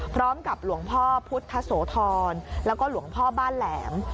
พร้อมกับหลวงพ่อพุทธโสธรแล้วก็หลวงพ่อบ้านแหลม